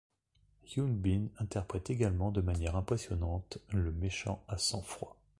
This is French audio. Hyun Bin interprète également de manière impressionnante le méchant à sang-froid.